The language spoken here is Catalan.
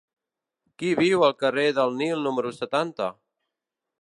Qui viu al carrer del Nil número setanta?